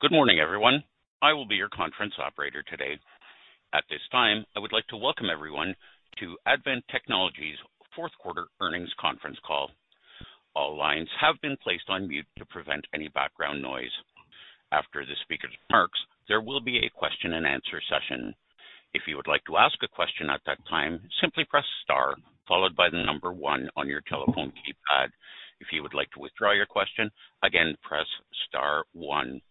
Good morning, everyone. I will be your conference operator today. At this time, I would like to welcome everyone to Advent Technologies' fourth quarter 2022 earnings conference call. All lines have been placed on mute to prevent any background noise. After the speaker's remarks, there will be a question-and-answer session. If you would like to ask a question at that time, simply press star followed by the number one on your telephone keypad. If you would like to withdraw your question, again, press star one.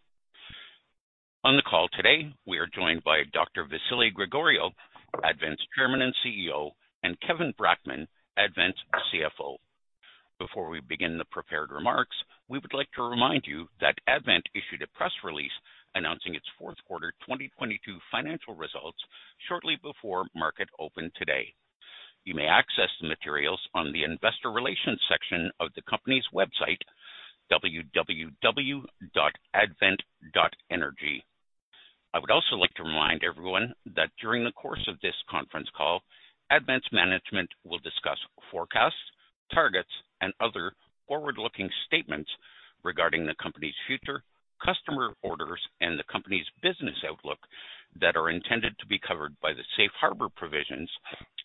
On the call today, we are joined by Dr. Vasilis Gregoriou, Advent's Chairman and CEO, and Kevin Brackman, Advent's CFO. Before we begin the prepared remarks, we would like to remind you that Advent issued a press release announcing its fourth quarter 2022 financial results shortly before market open today. You may access the materials on the investor relations section of the company's website, www.advent.energy. I would also like to remind everyone that during the course of this conference call, Advent's management will discuss forecasts, targets, and other forward-looking statements regarding the company's future customer orders and the company's business outlook that are intended to be covered by the safe harbor provisions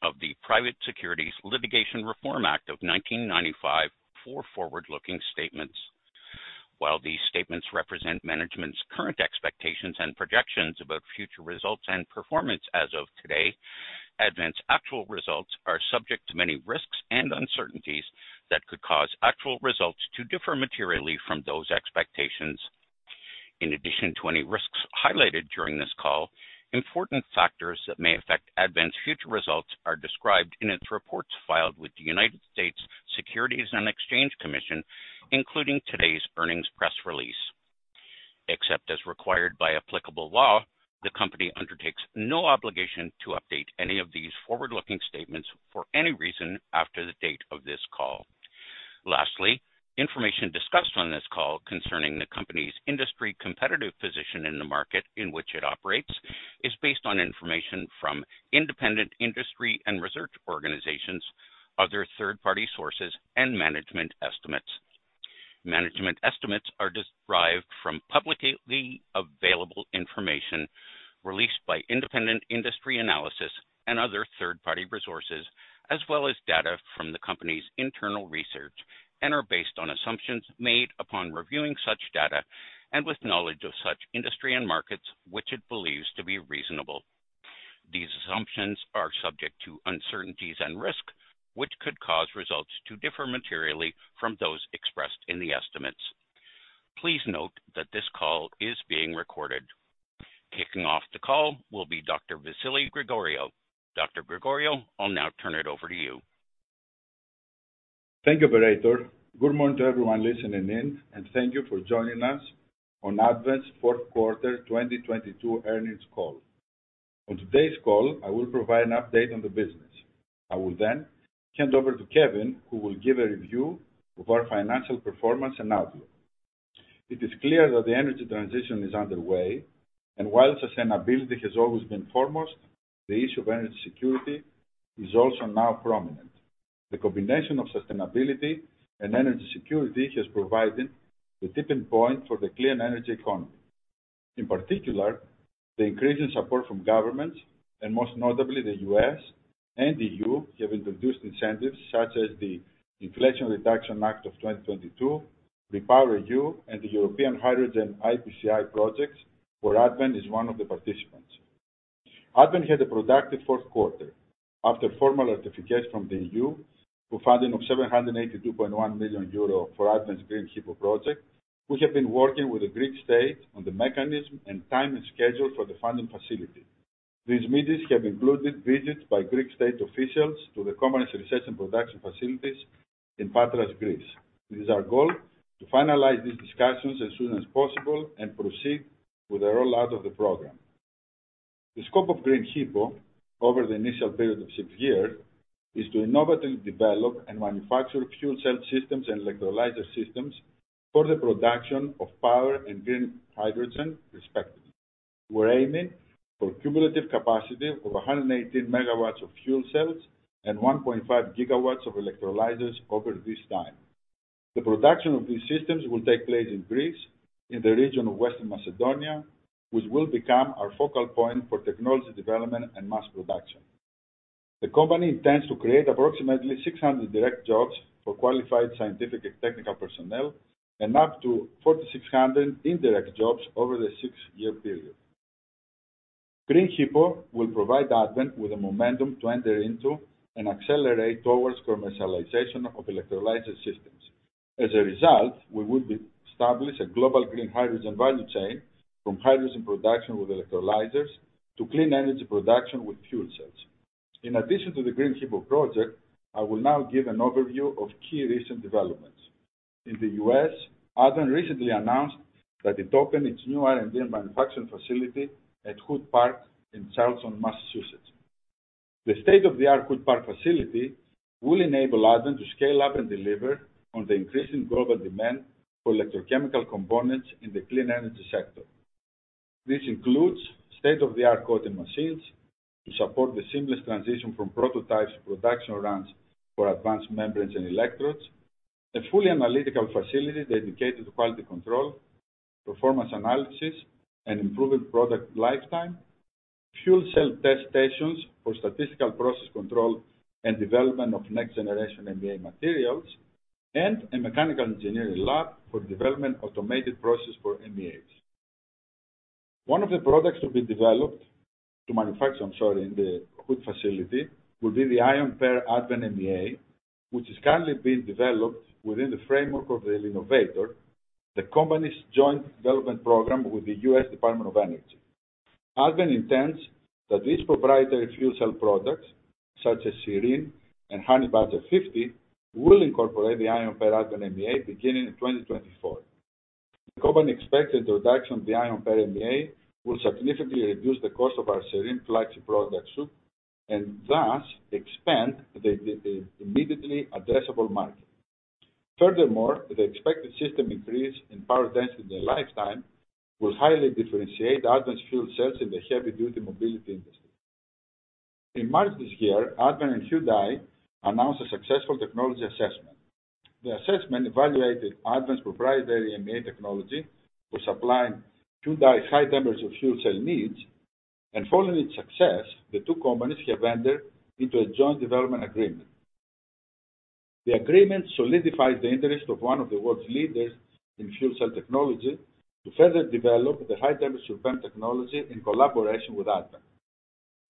of the Private Securities Litigation Reform Act of 1995 for forward-looking statements. While these statements represent management's current expectations and projections about future results and performance as of today, Advent's actual results are subject to many risks and uncertainties that could cause actual results to differ materially from those expectations. In addition to any risks highlighted during this call, important factors that may affect Advent's future results are described in its reports filed with the United States Securities and Exchange Commission, including today's earnings press release. Except as required by applicable law, the company undertakes no obligation to update any of these forward-looking statements for any reason after the date of this call. Information discussed on this call concerning the company's industry competitive position in the market in which it operates is based on information from independent industry and research organizations, other third-party sources, and management estimates. Management estimates are derived from publicly available information released by independent industry analysis and other third-party resources, as well as data from the company's internal research, and are based on assumptions made upon reviewing such data and with knowledge of such industry and markets which it believes to be reasonable. These assumptions are subject to uncertainties and risk, which could cause results to differ materially from those expressed in the estimates. Please note that this call is being recorded. Kicking off the call will be Dr. Vasilis Gregoriou. Dr. Gregoriou, I'll now turn it over to you. Thank you, operator. Good morning to everyone listening in, and thank you for joining us on Advent's fourth quarter 2022 earnings call. On today's call, I will provide an update on the business. I will then hand over to Kevin, who will give a review of our financial performance and outlook. It is clear that the energy transition is underway, and while sustainability has always been foremost, the issue of energy security is also now prominent. The combination of sustainability and energy security has provided the tipping point for the clean energy economy. In particular, the increasing support from governments, and most notably the U.S. and EU, have introduced incentives such as the Inflation Reduction Act of 2022, REPowerEU, and the European Hydrogen IPCEI projects, where Advent is one of the participants. Advent had a productive fourth quarter. After formal certification from the EU for funding of 782.1 million euro for Advent's Green HiPo project, we have been working with the Greek state on the mechanism and timing schedule for the funding facility. These meetings have included visits by Greek state officials to the company's research and production facilities in Patras, Greece. It is our goal to finalize these discussions as soon as possible and proceed with the rollout of the program. The scope of Green HiPo over the initial period of six years is to innovatively develop and manufacture fuel cell systems and electrolyzer systems for the production of power and green hydrogen respectively. We're aiming for cumulative capacity of 118 megawatts of fuel cells and 1.5 gigawatts of electrolyzers over this time. The production of these systems will take place in Greece, in the region of Western Macedonia, which will become our focal point for technology development and mass production. The company intends to create approximately 600 direct jobs for qualified scientific and technical personnel, and up to 4,600 indirect jobs over the 6-year period. Green HiPo will provide Advent with the momentum to enter into and accelerate towards commercialization of electrolyzer systems. We will be established a global green hydrogen value chain from hydrogen production with electrolyzers to clean energy production with fuel cells. In addition to the Green HiPo project, I will now give an overview of key recent developments. In the U.S., Advent recently announced that it opened its new R&D and manufacturing facility at Hood Park in Charlestown, Massachusetts. The state-of-the-art Hood Park facility will enable Advent to scale up and deliver on the increasing global demand for electrochemical components in the clean energy sector. This includes state-of-the-art coating machines to support the seamless transition from prototypes to production runs for advanced membranes and electrodes. A fully analytical facility dedicated to quality control, performance analysis, and improving product lifetime. Fuel cell test stations for statistical process control and development of next-generation MEA materials, and a mechanical engineering lab for development automated process for MEAs. One of the products to be developed to manufacture, I'm sorry, in the Hood facility, will be the Ion Pair Advent MEA, which is currently being developed within the framework of L'Innovator, the company's joint development program with the US Department of Energy. Advent intends that its proprietary fuel cell products, such as Serene and Honey Badger 50, will incorporate the Ion Pair MEA beginning in 2024. The company expects introduction of the Ion Pair MEA will significantly reduce the cost of our Serene flagship product suit, and thus expand the immediately addressable market. Furthermore, the expected system increase in power density and lifetime will highly differentiate Advent's fuel cells in the heavy-duty mobility industry. In March this year, Advent and Hyundai announced a successful technology assessment. The assessment evaluated Advent's proprietary MEA technology for supplying Hyundai high temperature fuel cell needs. Following its success, the two companies have entered into a joint development agreement. The agreement solidifies the interest of one of the world's leaders in fuel cell technology to further develop the high temperature PEM technology in collaboration with Advent.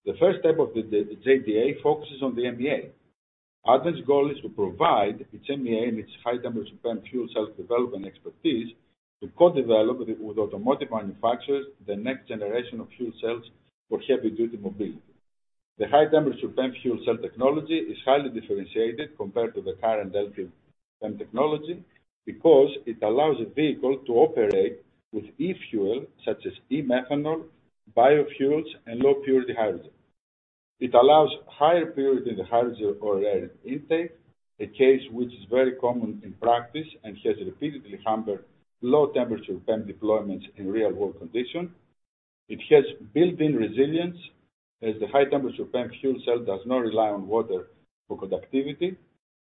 The first step of the JDA focuses on the MEA. Advent's goal is to provide its MEA and its high temperature PEM fuel cells development expertise to co-develop with automotive manufacturers the next generation of fuel cells for heavy-duty mobility. The high temperature PEM fuel cell technology is highly differentiated compared to the current LT-PEM technology, because it allows a vehicle to operate with efuel such as eMethanol, biofuels, and low purity hydrogen. It allows higher purity in the hydrogen or air intake, a case which is very common in practice and has repeatedly hampered low temperature PEM deployments in real-world condition. It has built-in resilience, as the high temperature PEM fuel cell does not rely on water for conductivity,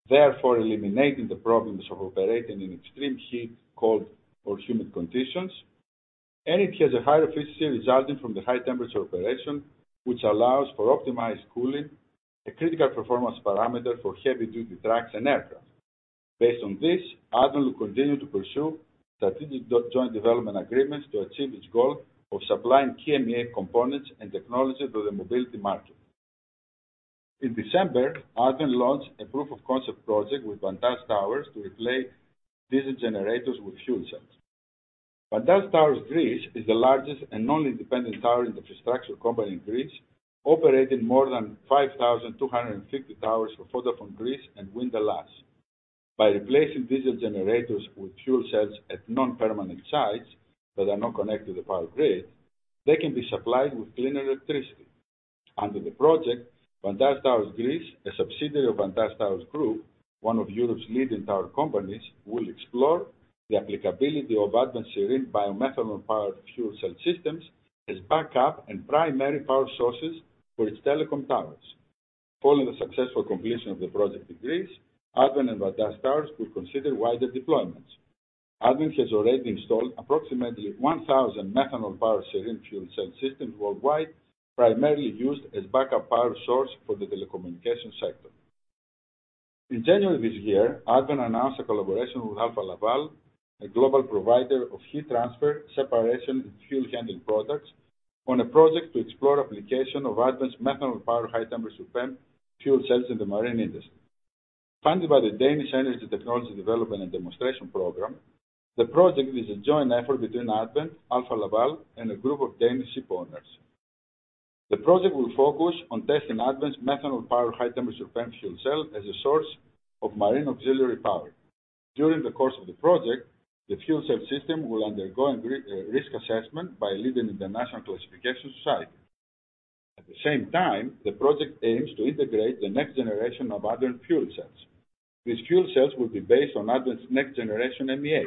therefore eliminating the problems of operating in extreme heat, cold, or humid conditions. It has a high efficiency resulting from the high temperature operation, which allows for optimized cooling, a critical performance parameter for heavy-duty trucks and aircraft. Based on this, Advent will continue to pursue strategic joint development agreements to achieve its goal of supplying key MEA components and technology to the mobility market. In December, Advent launched a proof of concept project with Vantage Towers to replace diesel generators with fuel cells. Vantage Towers Greece is the largest and only independent tower infrastructure company in Greece, operating more than 5,250 towers for Vodafone Greece and Wind Hellas. By replacing diesel generators with fuel cells at non-permanent sites that are not connected to the power grid, they can be supplied with cleaner electricity. Under the project, Vantage Towers Greece, a subsidiary of Vantage Towers Group, one of Europe's leading tower companies, will explore the applicability of Advent Serene biomethanol-powered fuel cell systems as backup and primary power sources for its telecom towers. Following the successful completion of the project in Greece, Advent and Vantage Towers will consider wider deployments. Advent has already installed approximately 1,000 methanol-powered Serene fuel cell systems worldwide, primarily used as backup power source for the telecommunication sector. In January this year, Advent announced a collaboration with Alfa Laval, a global provider of heat transfer, separation, and fuel handling products, on a project to explore application of Advent's methanol-powered high temperature PEM fuel cells in the marine industry. Funded by the Danish Energy Technology Development and Demonstration Program, the project is a joint effort between Advent, Alfa Laval, and a group of Danish ship owners. The project will focus on testing Advent's methanol-powered high temperature PEM fuel cell as a source of marine auxiliary power. During the course of the project, the fuel cell system will undergo a risk assessment by leading international classification society. At the same time, the project aims to integrate the next-generation of Advent fuel cells. These fuel cells will be based on Advent's next-generation MEA.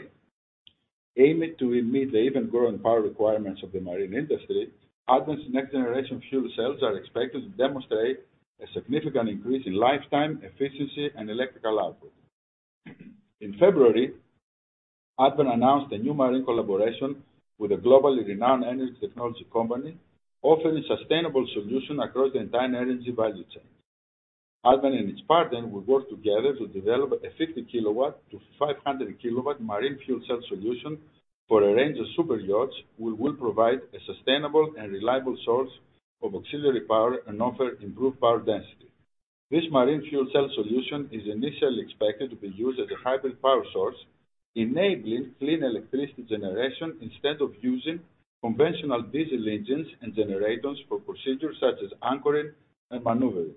Aiming to meet the ever-growing power requirements of the marine industry, Advent's next-generation fuel cells are expected to demonstrate a significant increase in lifetime, efficiency, and electrical output. In February, Advent announced a new marine collaboration with a globally renowned energy technology company offering sustainable solution across the entire energy value chain. Advent and its partner will work together to develop a 50 kW-500 kW marine fuel cell solution for a range of super yachts, which will provide a sustainable and reliable source of auxiliary power and offer improved power density. This marine fuel cell solution is initially expected to be used as a hybrid power source, enabling clean electricity generation instead of using conventional diesel engines and generators for procedures such as anchoring and maneuvering.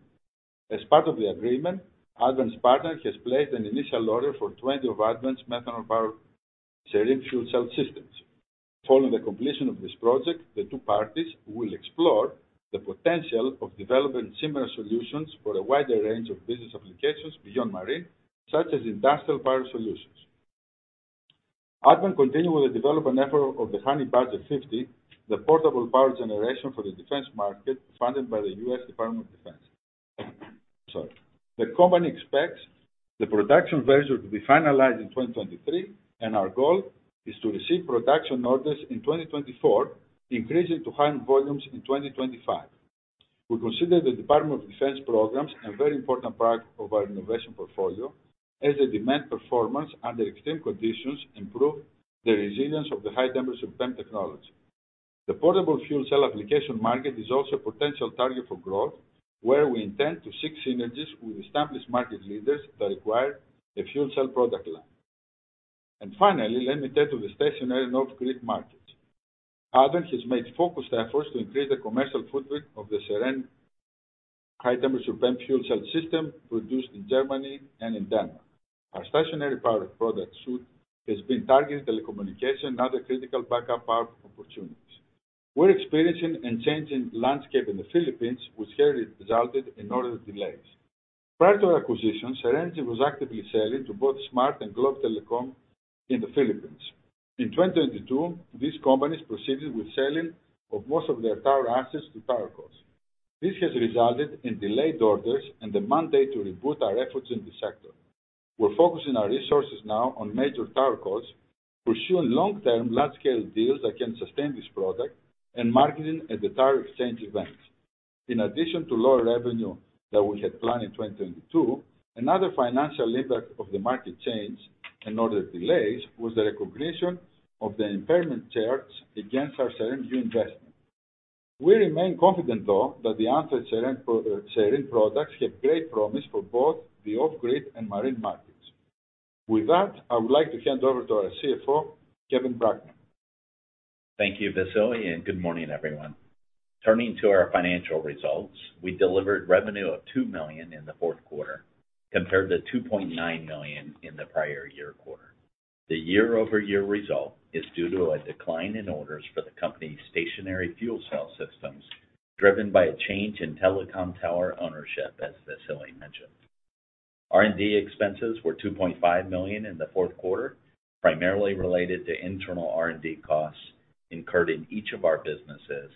As part of the agreement, Advent's partner has placed an initial order for 20 of Advent's methanol-powered Serene fuel cell systems. Following the completion of this project, the two parties will explore the potential of developing similar solutions for a wider range of business applications beyond marine, such as industrial power solutions. Advent continue with the development effort of the Honey Badger 50, the portable power generation for the defense market funded by the U.S. Department of Defense. Sorry. The company expects the production version to be finalized in 2023. Our goal is to receive production orders in 2024, increasing to high volumes in 2025. We consider the Department of Defense programs a very important part of our innovation portfolio, as the demand performance under extreme conditions improve the resilience of the high-temperature PEM technology. The portable fuel cell application market is also a potential target for growth, where we intend to seek synergies with established market leaders that require a fuel cell product line. Finally, let me turn to the stationary off-grid markets. Advent has made focused efforts to increase the commercial footprint of the Serene HT-PEM fuel cell system produced in Germany and in Denmark. Our stationary power product suite has been targeting telecommunication and other critical backup power opportunities. We're experiencing and changing landscape in the Philippines, which has resulted in order delays. Prior to our acquisition, Serene was actively selling to both Smart and Globe Telecom in the Philippines. In 2022, these companies proceeded with selling of most of their tower assets to TowerCos. This has resulted in delayed orders and the mandate to reboot our efforts in this sector. We're focusing our resources now on major TowerCos, pursuing long-term, large-scale deals that can sustain this product, and marketing at the tower exchange events. In addition to lower revenue that we had planned in 2022, another financial impact of the market change and order delays was the recognition of the impairment charge against our Sereneinvestment. We remain confident, though, that the answered Serene products have great promise for both the off-grid and marine markets. With that, I would like to hand over to our CFO, Kevin Brackman. Thank you, Vassilis. Good morning, everyone. Turning to our financial results, we delivered revenue of $2 million in the fourth quarter, compared to $2.9 million in the prior year quarter. The year-over-year result is due to a decline in orders for the company's stationary fuel cell systems, driven by a change in telecom tower ownership, as Vassilis mentioned. R&D expenses were $2.5 million in the fourth quarter, primarily related to internal R&D costs incurred in each of our businesses,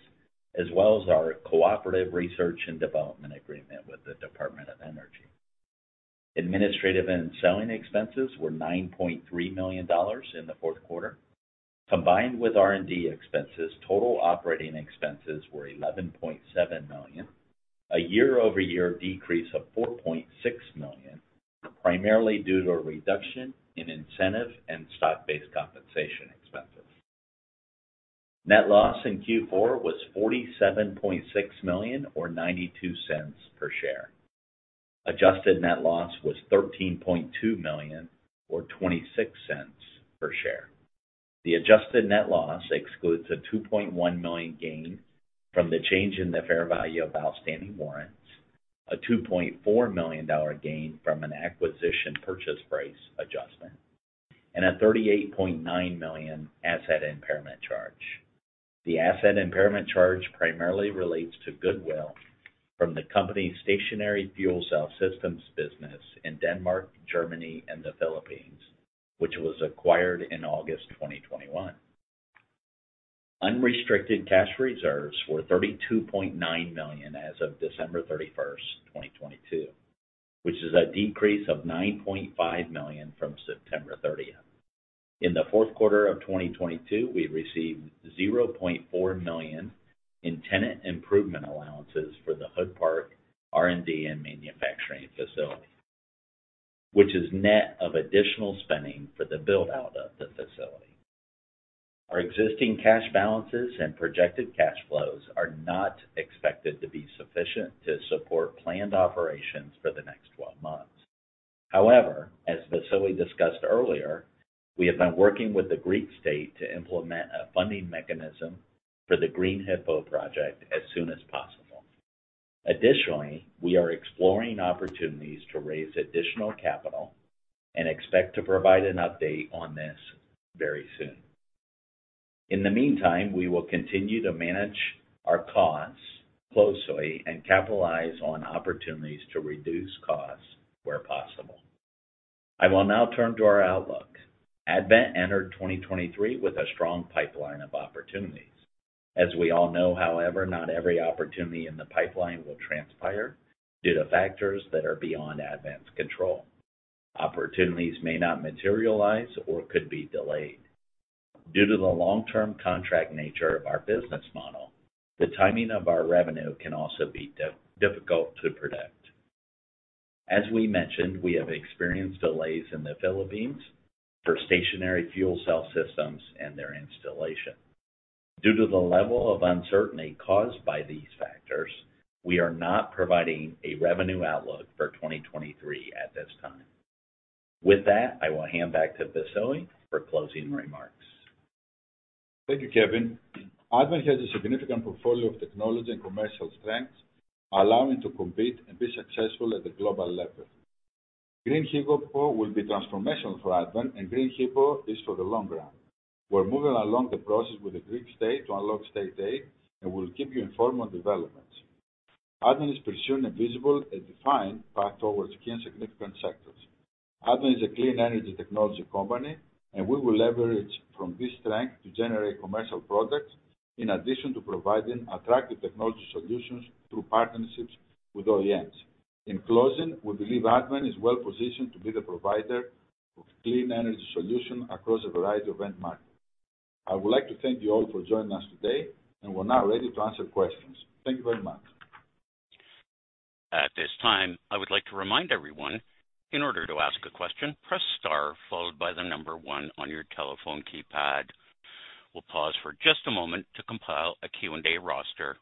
as well as our cooperative research and development agreement with the Department of Energy. Administrative and selling expenses were $9.3 million in the fourth quarter. Combined with R&D expenses, total operating expenses were $11.7 million, a year-over-year decrease of $4.6 million, primarily due to a reduction in incentive and stock-based compensation expenses. Net loss in Q4 was $47.6 million or $0.92 per share. Adjusted net loss was $13.2 million or $0.26 per share. The adjusted net loss excludes a $2.1 million gain from the change in the fair value of outstanding warrants, a $2.4 million gain from an acquisition purchase price adjustment, and a $38.9 million asset impairment charge. The asset impairment charge primarily relates to goodwill from the company's stationary fuel cell systems business in Denmark, Germany, and the Philippines, which was acquired in August 2021. Unrestricted cash reserves were $32.9 million as of December 31st, 2022, which is a decrease of $9.5 million from September 30th. In the fourth quarter of 2022, we received $0.4 million in tenant improvement allowances for the Hood Park R&D and manufacturing facility, which is net of additional spending for the build-out of the facility. Our existing cash balances and projected cash flows are not expected to be sufficient to support planned operations for the next 12 months. As Vasilis discussed earlier, we have been working with the Greek state to implement a funding mechanism for the Green HiPo project as soon as possible. We are exploring opportunities to raise additional capital and expect to provide an update on this very soon. In the meantime, we will continue to manage our costs closely and capitalize on opportunities to reduce costs where possible. I will now turn to our outlook. Advent entered 2023 with a strong pipeline of opportunities. As we all know, however, not every opportunity in the pipeline will transpire due to factors that are beyond Advent's control. Opportunities may not materialize or could be delayed. Due to the long-term contract nature of our business model, the timing of our revenue can also be difficult to predict. As we mentioned, we have experienced delays in the Philippines for stationary fuel cell systems and their installation. Due to the level of uncertainty caused by these factors, we are not providing a revenue outlook for 2023 at this time. With that, I will hand back to Vasilis for closing remarks. Thank you, Kevin. Advent has a significant portfolio of technology and commercial strengths, allowing to compete and be successful at the global level. Green HiPo will be transformational for Advent. Green HiPo is for the long run. We're moving along the process with the Greek state to unlock state aid. We'll keep you informed on developments. Advent is pursuing a visible and defined path towards key and significant sectors. Advent is a clean energy technology company. We will leverage from this strength to generate commercial products in addition to providing attractive technology solutions through partnerships with OEMs. In closing, we believe Advent is well-positioned to be the provider of clean energy solution across a variety of end markets. I would like to thank you all for joining us today. We're now ready to answer questions. Thank you very much. At this time, I would like to remind everyone, in order to ask a question, press star followed by one on your telephone keypad. We'll pause for just a moment to compile a Q&A roster.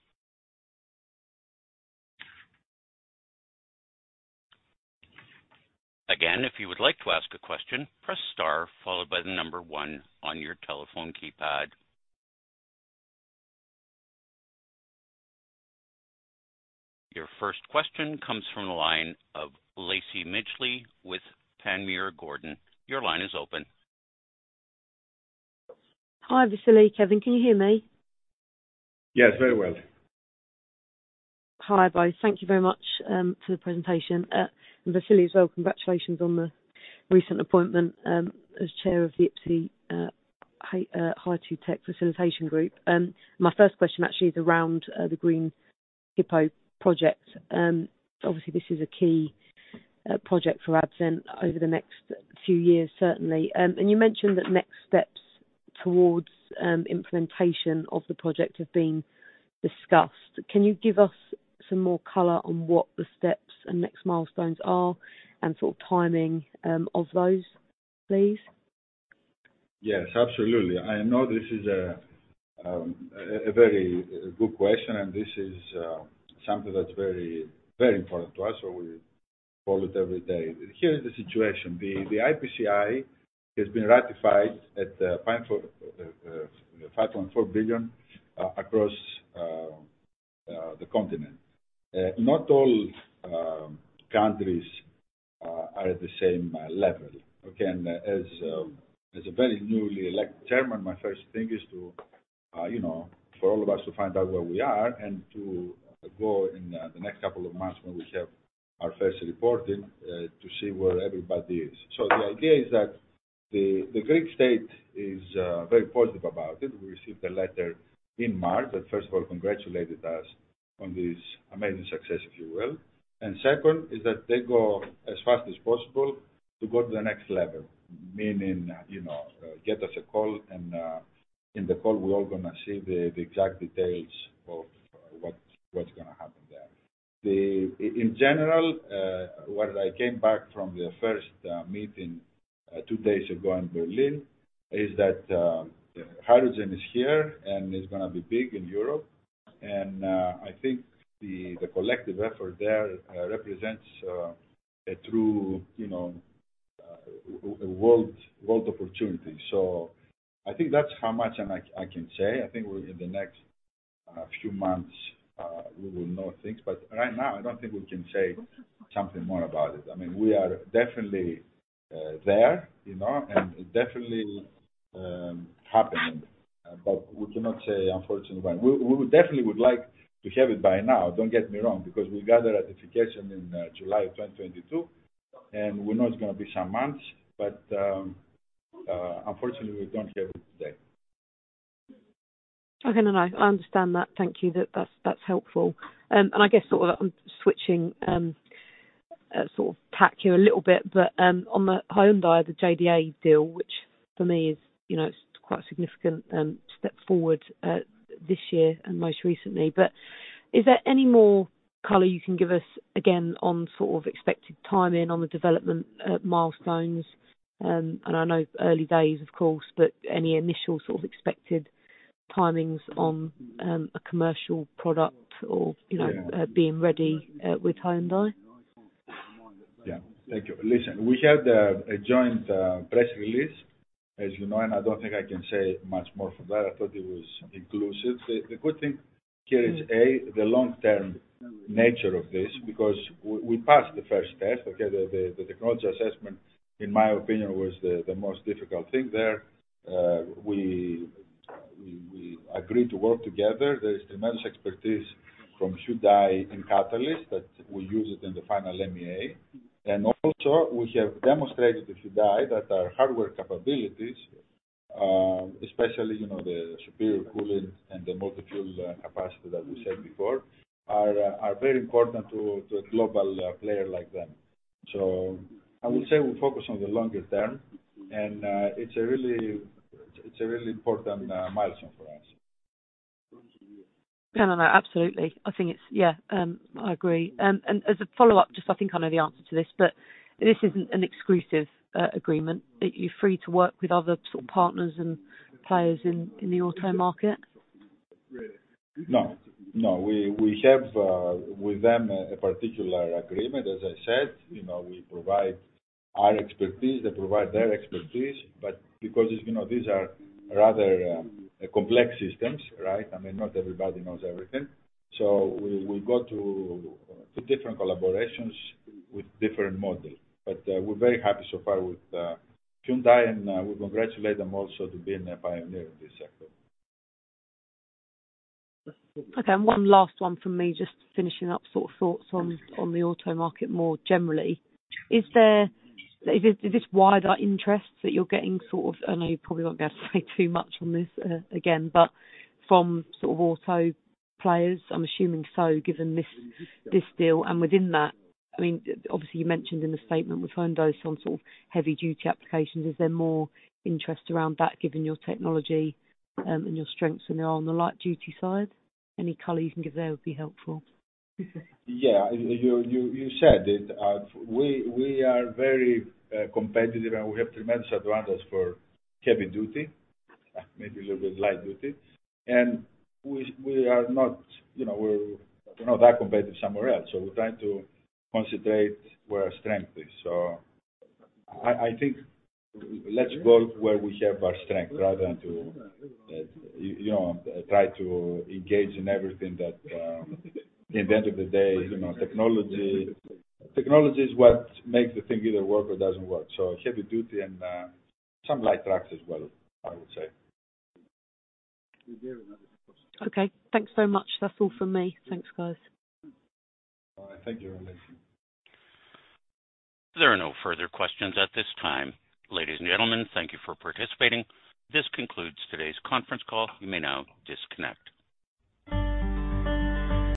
Again, if you would like to ask a question, press star followed by one on your telephone keypad. Your first question comes from the line of Lacie Midgley with Panmure Gordon. Your line is open. Hi, Vasilis, Kevin. Can you hear me? Yes, very well. Hi, guys. Thank you very much for the presentation. Vasilis as well, congratulations on the recent appointment as chair of the IPCEI Hydrogen High Level Group. My first question actually is around the Green HiPo project. Obviously, this is a key project for Advent over the next few years, certainly. You mentioned that next steps towards implementation of the project have been discussed. Can you give us some more color on what the steps and next milestones are and sort of timing of those, please? Yes, absolutely. I know this is a very good question, and this is something that's very, very important to us, so we follow it every day. Here is the situation. The IPCEI has been ratified at 5.4 billion across the continent. Not all countries are at the same level. Again, as a very newly elect chairman, my first thing is to, you know, for all of us to find out where we are and to go in the next couple of months when we have our first reporting to see where everybody is. The idea is that the Greek state is very positive about it. We received a letter in March that first of all congratulated us on this amazing success, if you will. Second is that they go as fast as possible to go to the next level, meaning, you know, get us a call and in the call, we're all gonna see the exact details of what's gonna happen there. In general, when I came back from the first meeting two days ago in Berlin, is that the hydrogen is here, and it's gonna be big in Europe. I think the collective effort there represents a true, you know, world opportunity. I think that's how much and I can say. I think we in the next few months, we will know things. Right now I don't think we can say something more about it. I mean, we are definitely there, you know, and definitely happening. We cannot say, unfortunately, when. We definitely would like to have it by now, don't get me wrong, because we got the ratification in July of 2022, and we know it's gonna be some months, but unfortunately we don't have it today. Okay. No, no. I understand that. Thank you. That's helpful. I guess sort of switching sort of pack here a little bit, but on the Hyundai, the JDA deal, which for me is, you know, it's quite significant step forward this year and most recently. Is there any more color you can give us again on sort of expected timing on the development milestones? I know early days, of course, but any initial sort of expected timings on a commercial product or, you know, being ready with Hyundai? Yeah. Thank you. Listen, we had a joint press release, as you know. I don't think I can say much more from that. I thought it was inclusive. The good thing here is A, the long-term nature of this because we passed the first test. Okay. The technology assessment, in my opinion, was the most difficult thing there. We agreed to work together. There is tremendous expertise from Hyundai in catalyst that we use it in the final MEA. Also, we have demonstrated to Hyundai that our hardware capabilities, especially, you know, the superior cooling and the multi-fuel capacity that we said before, are very important to a global player like them. I would say we focus on the longer term, and, it's a really important milestone for us. No, no, absolutely. I think it's. Yeah. I agree. As a follow-up, just I think I know the answer to this, but this isn't an exclusive agreement. You're free to work with other sort of partners and players in the auto market? No. No. We have with them a particular agreement. As I said, you know, we provide our expertise. They provide their expertise. Because, you know, these are rather complex systems, right? I mean, not everybody knows everything. We go to different collaborations with different models. We're very happy so far with Hyundai, and we congratulate them also to being a pioneer in this sector. Okay. One last one from me, just finishing up sort of thoughts on the auto market more generally. Is there, is this wider interest that you're getting sort of, I know you probably won't be able to say too much on this, again, but from sort of auto players? I'm assuming so given this deal. Within that, I mean, obviously, you mentioned in the statement with Hyundai on sort of heavy-duty applications, is there more interest around that given your technology, and your strengths than there are on the light-duty side? Any color you can give there would be helpful. Yeah. You said it. We are very competitive, and we have tremendous advantages for heavy duty, maybe a little bit light duty. We are not, you know, we're not that competitive somewhere else. We're trying to concentrate where our strength is. I think let's go where we have our strength rather than to, you know, try to engage in everything that, in the end of the day, you know, technology is what makes the thing either work or doesn't work. Heavy duty and some light trucks as well, I would say. Okay. Thanks so much. That's all from me. Thanks, guys. All right. Thank you. There are no further questions at this time. Ladies and gentlemen, thank you for participating. This concludes today's conference call. You may now disconnect.